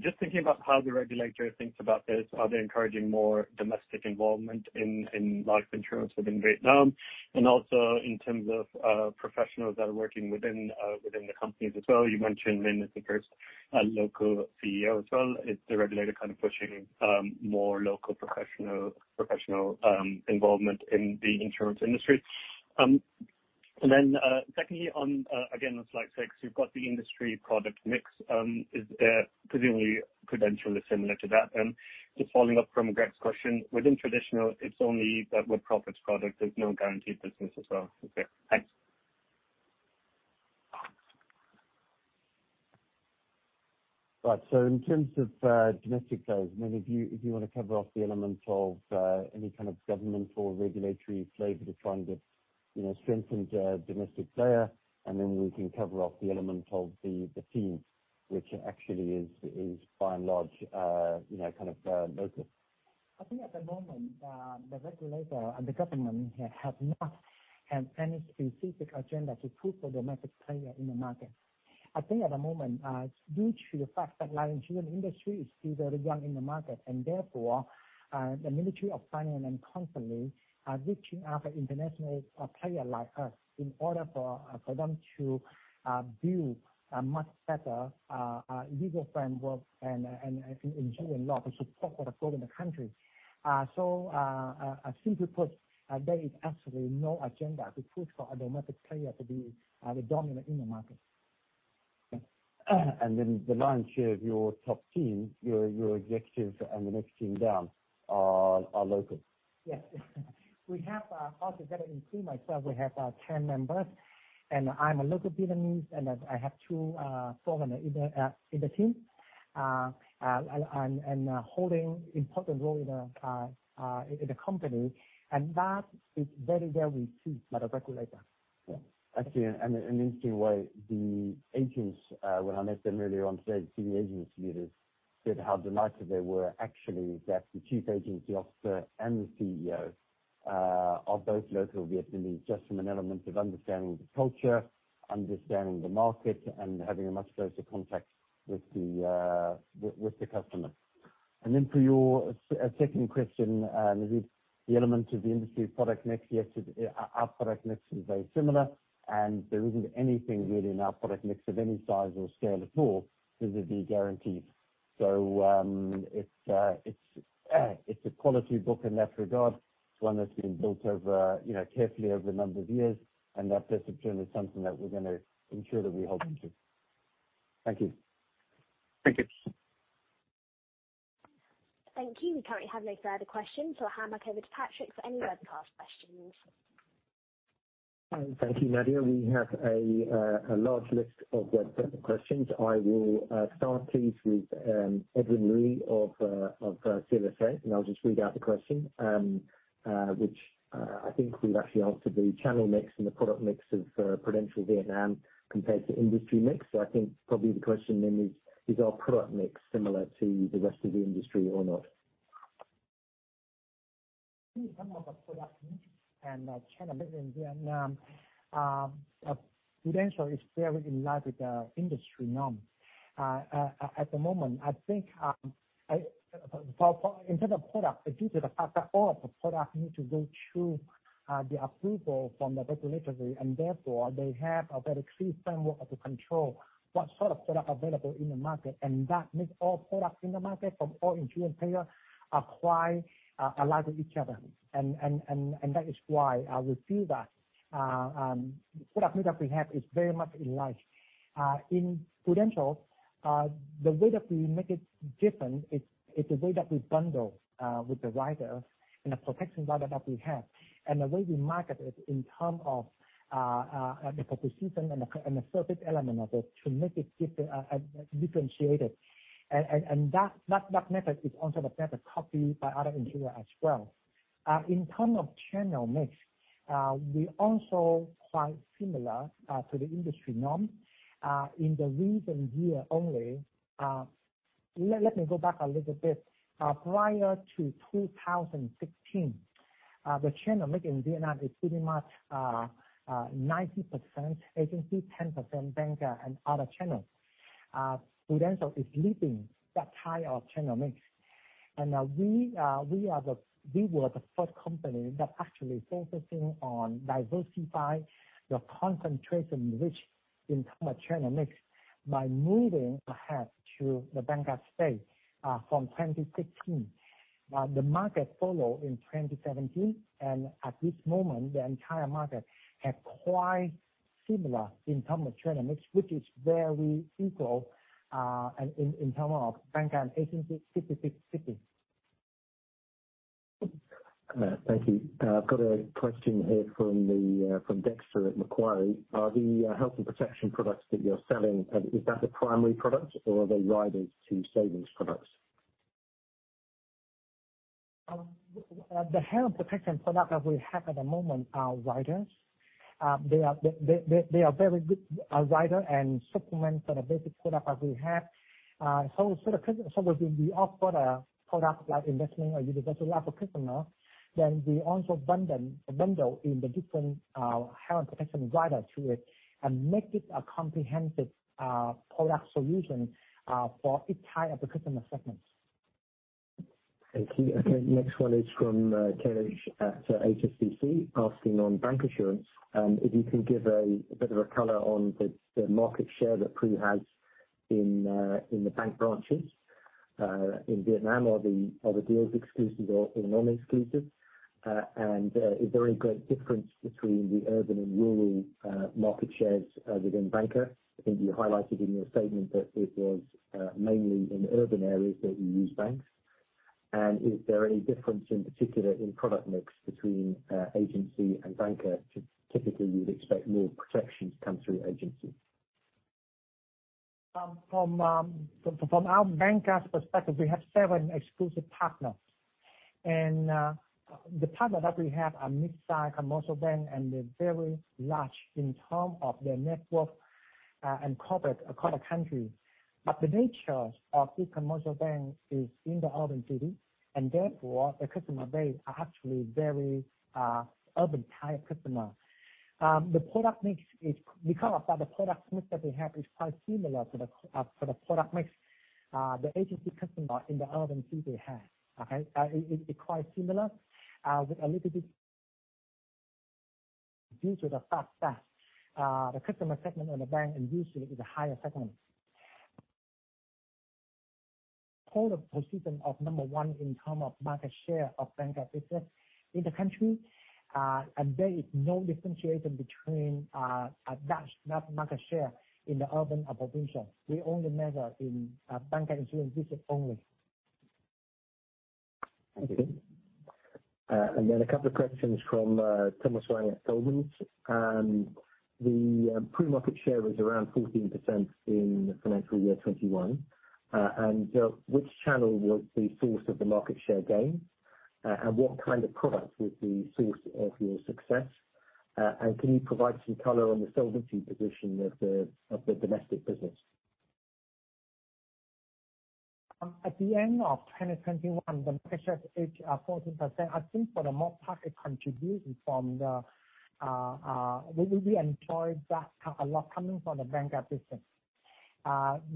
Just thinking about how the regulator thinks about this, are they encouraging more domestic involvement in life insurance within Vietnam? And also in terms of professionals that are working within the companies as well, you mentioned Minh is the first local CEO as well. Is the regulator kind of pushing more local professional involvement in the insurance industry? And then, secondly on, again, on slide six, you've got the industry product mix. Is that presumably Prudential is similar to that? Just following up from Greg's question, within traditional, it's only the with-profits product, there's no guaranteed business as well. Is it? Thanks. Right. In terms of domestic players, Minh, if you wanna cover off the elements of any kind of government or regulatory flavor to try and get, you know, strengthened domestic player, and then we can cover off the element of the team, which actually is by and large, you know, kind of local. I think at the moment, the regulator and the government have not had any specific agenda to push for domestic player in the market. I think at the moment, due to the fact that life insurance industry is still very young in the market, and therefore, the Ministry of Finance constantly are reaching out to international player like us in order for them to build a much better legal framework and insurance law to support for the growth in the country. Simply put, there is absolutely no agenda to push for a domestic player to be the dominant in the market. The lion's share of your top team, executives and the next team down are local. Yes. We have altogether including myself 10 members. I'm a local Vietnamese, and I have two foreign in the team holding important role in the company. That is very well received by the regulator. Yeah. Actually, in an interesting way, the agents, when I met them earlier on today, the senior agency leaders said how delighted they were actually that the chief agency officer and the CEO are both local Vietnamese, just from an element of understanding the culture, understanding the market, and having a much closer contact with the customer. For your second question, is the element of the industry product mix. Yes, it's our product mix is very similar, and there isn't anything really in our product mix of any size or scale at all that would be guaranteed. It's a quality book in that regard. It's one that's been built over, you know, carefully over a number of years. That discipline is something that we're gonna ensure that we hold into. Thank you. Thank you. Thank you. We currently have no further questions, so I'll hand back over to Patrick for any webcast questions. Thank you, Nadia. We have a large list of web questions. I will start, please, with Edwin Liu of CLSA, and I'll just read out the question. Which I think we've actually answered the channel mix and the product mix of Prudential Vietnam compared to industry mix. I think probably the question then is our product mix similar to the rest of the industry or not? In terms of the product mix and channel mix in Vietnam, Prudential is very in line with the industry norm. At the moment, I think. In terms of product, due to the fact that all of the product need to go through the approval from the regulator and therefore they have a very clear framework of the control, what sort of product available in the market, and that makes all products in the market from all insurance player are quite alike with each other. That is why I will say that product mix that we have is very much in line. In Prudential, the way that we make it different is the way that we bundle with the rider and the protection rider that we have. The way we market it in terms of the proposition and the service element of it to make it different, differentiated. That method is also the method copied by other insurers as well. In terms of channel mix, we're also quite similar to the industry norm. In the recent year only, let me go back a little bit. Prior to 2016, the channel mix in Vietnam is pretty much 90% agency, 10% bancassurance and other channels. Prudential is leading that type of channel mix. We were the first company that actually focusing on diversify the concentration which in terms of channel mix by moving ahead to the bancassurance from 2016. The market followed in 2017. At this moment, the entire market is quite similar in terms of channel mix, which is very equal in terms of bank and agency, 50/50 split. Thank you. I've got a question here from Dexter at Macquarie. Are the health and protection products that you're selling the primary product or are they riders to savings products? The health protection product that we have at the moment are riders. They are very good rider and supplement for the basic product that we have. We offer the product like investment-linked or universal life for customers, then we also bundle in the different health protection rider to it and make it a comprehensive product solution for each type of customer segments. Thank you. I think next one is from Kailesh at HSBC asking on bancassurance, if you can give a bit of a color on the market share that Pru has in the bank branches in Vietnam, or are the deals exclusive or non-exclusive. Is there any great difference between the urban and rural market shares within bancassurance? I think you highlighted in your statement that it was mainly in urban areas that you use banks. Is there any difference in particular in product mix between agency and bancassurance? Typically, you would expect more protection to come through agency. From our bancassurance perspective, we have 7 exclusive partners. The partner that we have are mid-size commercial bank, and they're very large in terms of their network and coverage across the country. The nature of this commercial bank is in the urban city, and therefore the customer base are actually very urban type customer. The product mix is because of the product mix that we have is quite similar to the product mix the agency customer in the urban city have, okay. It quite similar with a little bit due to the fact that the customer segment on the bank side usually is a higher segment. Position of number one in terms of market share of bancassurance business in the country. There is no differentiation between, that's not market share in the urban population. We only measure in bancassurance business only. Thank you. Then a couple of questions from Thomas Wang at Goldman Sachs. The PRU market share was around 14% in financial year 2021. Which channel was the source of the market share gain? What kind of product was the source of your success? Can you provide some color on the solvency position of the domestic business? At the end of 2021, the market share is 14%. I think for the most part, it contributed from the bancassurance business. We employed that a lot coming from the bancassurance business.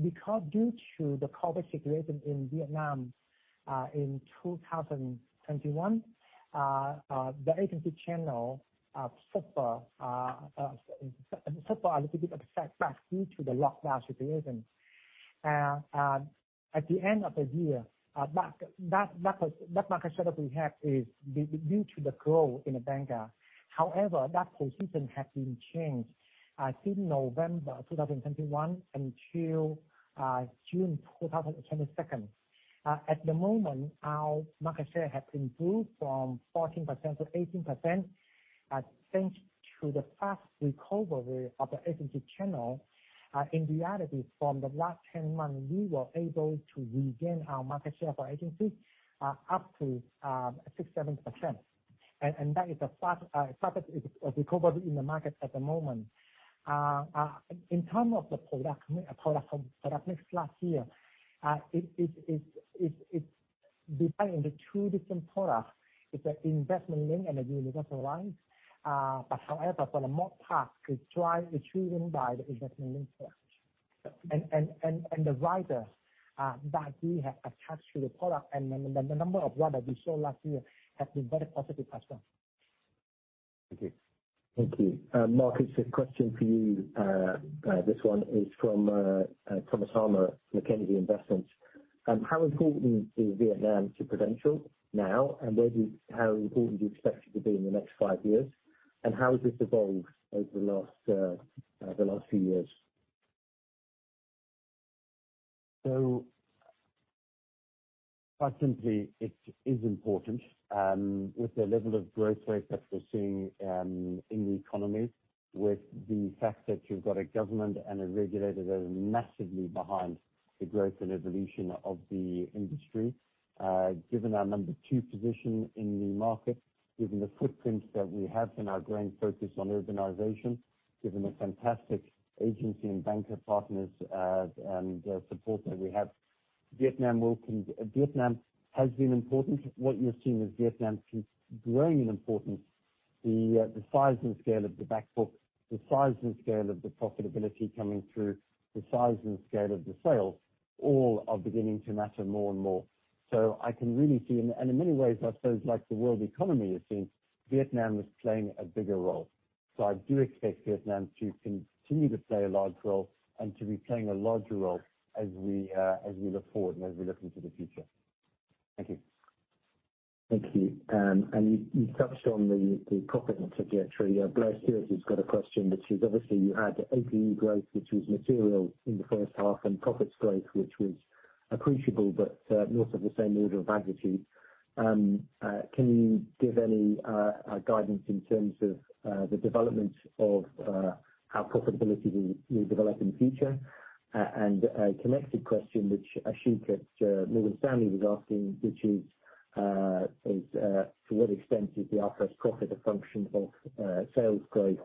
Because due to the COVID situation in Vietnam in 2021, the agency channel suffered a little bit of a setback due to the lockdown situation. At the end of the year, that market share that we have is due to the growth in the bancassurance. However, that position has been changed since November 2021 until June 2022. At the moment, our market share has improved from 14% to 18%, thanks to the fast recovery of the agency channel. In reality, from the last 10 months, we were able to regain our market share for agency up to 6%-7%. That is the fastest recovery in the market at the moment. In terms of the product mix last year, it divide into two different products. It's investment-linked and universal life. But however, for the most part, it's driven by the investment-linked product. And the riders that we have attached to the product and the number of riders we sold last year has been very positive as well. Thank you. Marcus, a question for you. This one is from Thomas Armour, Mackenzie Investments. How important is Vietnam to Prudential now, and how important do you expect it to be in the next five years? How has this evolved over the last few years? Quite simply, it is important with the level of growth rate that we're seeing in the economy, with the fact that you've got a government and a regulator that are massively behind the growth and evolution of the industry. Given our number two position in the market, given the footprint that we have and our growing focus on urbanization, given the fantastic agency and banker partners and the support that we have, Vietnam has been important. What you're seeing is Vietnam keep growing in importance. The size and scale of the back book, the size and scale of the profitability coming through, the size and scale of the sales, all are beginning to matter more and more. I can really see, and in many ways, I suppose like the world economy is seeing, Vietnam is playing a bigger role. I do expect Vietnam to continue to play a large role and to be playing a larger role as we look forward and as we look into the future. Thank you. You touched on the profit and trajectory. Blair Stewart has a question, which is obviously you had APE growth, which was material in the first half, and profits growth, which was appreciable but not of the same order of magnitude. Can you give any guidance in terms of the development of how profitability will develop in the future? A connected question which Ashik Musaddi at Morgan Stanley was asking, which is, to what extent is the IFRS profit a function of sales growth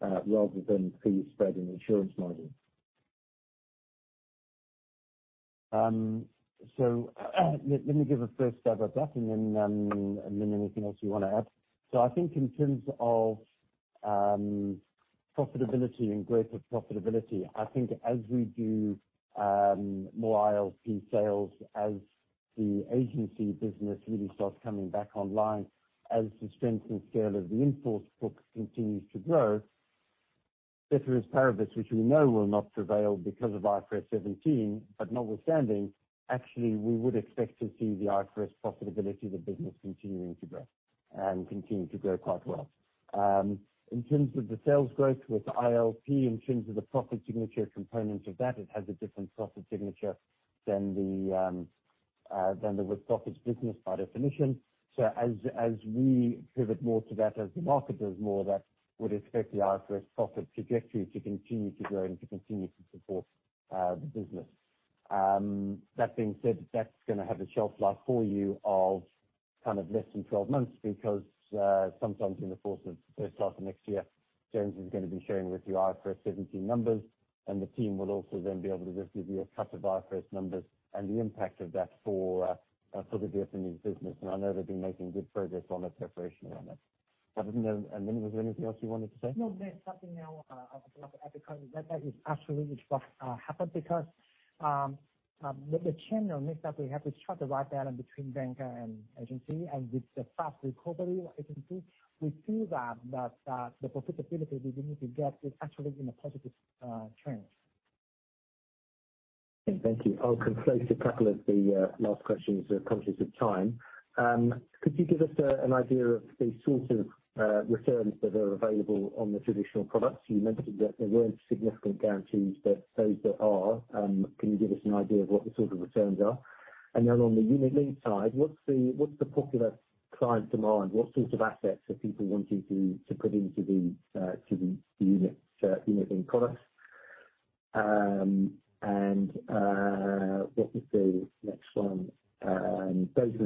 rather than fee spread and insurance margin? Let me give a first stab at that and then anything else you wanna add. I think in terms of profitability and growth of profitability, I think as we do more ILP sales, as the agency business really starts coming back online, as the strength and scale of the in-force book continues to grow, ceteris paribus, which we know will not prevail because of IFRS 17, but notwithstanding, actually we would expect to see the IFRS profitability of the business continuing to grow and continue to grow quite well. In terms of the sales growth with ILP, in terms of the profit signature component of that, it has a different profit signature than the with profits business by definition. As we pivot more to that, as the market does more of that, would expect the IFRS profit trajectory to continue to grow and to continue to support the business. That being said, that's gonna have a shelf life for you of kind of less than 12 months because, sometimes in the course of the first half of next year, James is gonna be sharing with you IFRS 17 numbers, and the team will also then be able to just give you a cut of IFRS numbers and the impact of that for the Vietnamese business. I know they've been making good progress on the preparation around that. Minh, was there anything else you wanted to say? No, there's nothing now, I would like to add because that is absolutely what happened because the channel mix that we have, we struck the right balance between bancassurance and agency. With the fast recovery of agency, we feel that the profitability we're beginning to get is actually in a positive trend. Thank you. I'll consolidate a couple of the last questions, conscious of time. Could you give us an idea of the sort of returns that are available on the traditional products? You mentioned that there weren't significant guarantees, but those that are, can you give us an idea of what the sort of returns are? On the unit-linked side, what's the popular client demand? What sort of assets are people wanting to put into the unit-linked products? Next one. Those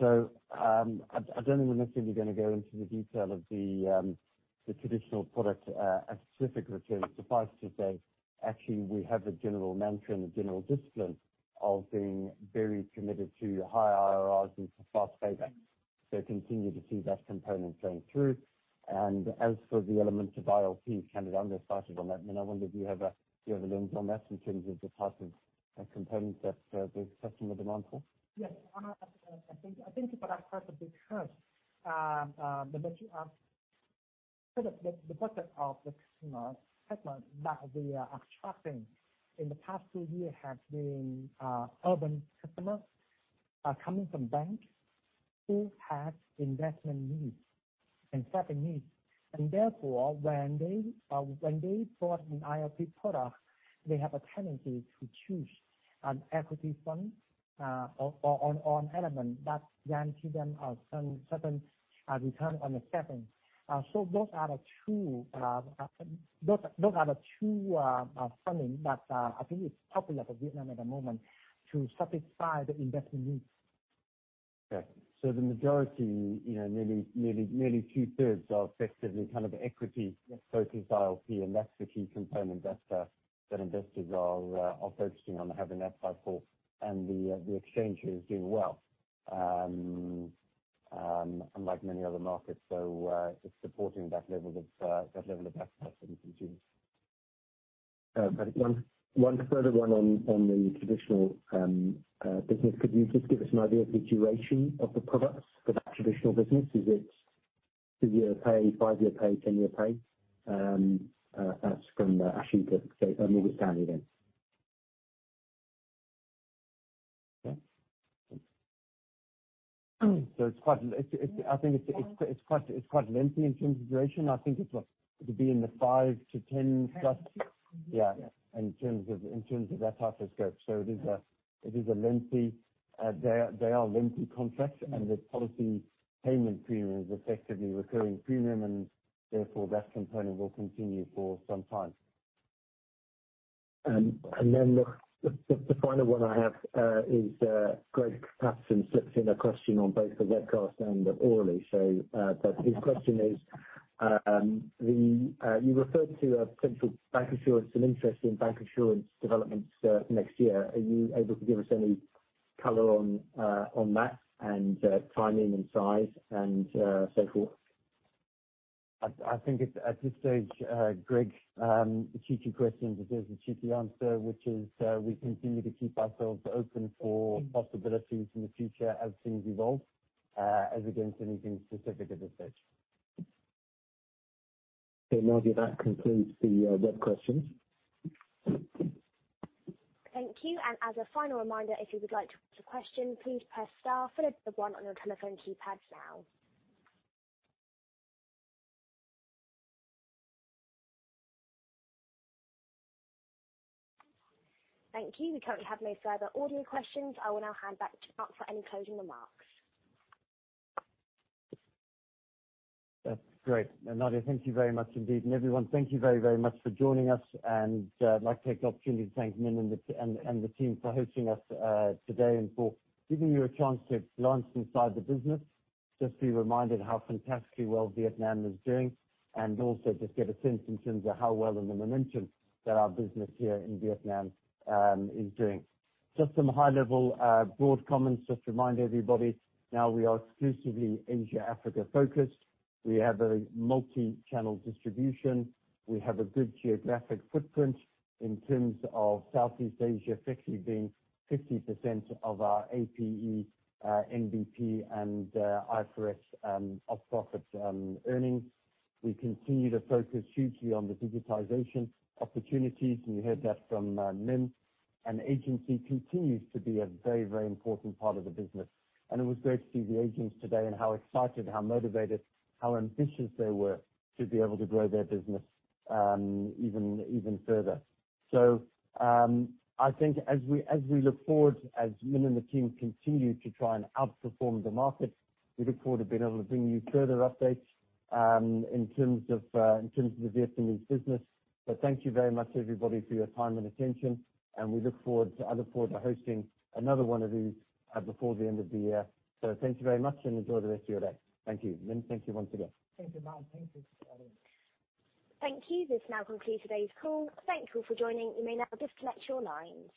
are the two I'm focused. I don't think we're necessarily gonna go into the detail of the traditional product, a specific return. Suffice to say, actually, we have a general mantra and a general discipline of being very committed to high IRRs and for fast payback. Continue to see that component playing through. As for the element of ILP, Canada undecided on that. Minh, I wonder if you have a lens on that in terms of the type of component that the customer demands for. Yes. I think people ask that question because the bucket of the customer segment that we are attracting in the past two years have been urban customers coming from banks who have investment needs and saving needs. Therefore, when they bought an ILP product, they have a tendency to choose an equity fund or an element that guarantee them a certain return on their savings. Those are the two funds that I think it's popular for Vietnam at the moment to satisfy the investment needs. Okay. The majority, you know, nearly two-thirds are effectively kind of equity- Yes. -focused ILP, that's the key component that investors are focusing on having that buy for. The exchange is doing well, unlike many other markets. It's supporting that level of appetite that we can see. One further one on the traditional business. Could you just give us an idea of the duration of the products for that traditional business? Is it two-year pay, five-year pay, 10-year pay? That's from Ashik of Morgan Stanley again. It's quite lengthy in terms of duration. I think it's what? It'd be in the 5-10 plus- 10+, yeah. Yeah. In terms of that type of scope. They are lengthy contracts, and the policy payment premium is effectively recurring premium, and therefore that component will continue for some time. The final one I have is Greig Paterson slipped in a question on both the webcast and orally. His question is you referred to a potential bancassurance and interest in bancassurance developments next year. Are you able to give us any color on that and timing and size and so forth? I think it's at this stage, Greig, a cheeky question deserves a cheeky answer, which is, we continue to keep ourselves open for possibilities in the future as things evolve, as against anything specific as such. Okay, Nadia, that concludes the web questions. Thank you. As a final reminder, if you would like to ask a question, please press star followed by the one on your telephone keypads now. Thank you. We currently have no further audio questions. I will now hand back to Mark for any closing remarks. That's great. Nadia, thank you very much indeed. Everyone, thank you very, very much for joining us. I'd like to take the opportunity to thank Minh and the team for hosting us today and for giving you a chance to glance inside the business. Just to be reminded how fantastically well Vietnam is doing, and also just get a sense in terms of how well and the momentum that our business here in Vietnam is doing. Just some high-level broad comments, just to remind everybody. Now we are exclusively Asia/Africa focused. We have a multi-channel distribution. We have a good geographic footprint in terms of Southeast Asia effectively being 50% of our APE, NBP and IFRS with-profits earnings. We continue to focus hugely on the digitization opportunities, and you heard that from Minh. Agency continues to be a very, very important part of the business. It was great to see the agents today and how excited, how motivated, how ambitious they were to be able to grow their business, even further. I think as we look forward, as Minh and the team continue to try and outperform the market, we look forward to being able to bring you further updates, in terms of the Vietnamese business. Thank you very much everybody for your time and attention, and we look forward to other forums for hosting another one of these, before the end of the year. Thank you very much, and enjoy the rest of your day. Thank you. Minh, thank you once again. Thank you, Mark. Thank you to everyone. Thank you. This now concludes today's call. Thank you for joining. You may now disconnect your lines.